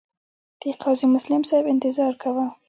د قاضي مسلم صاحب انتظار کاوه.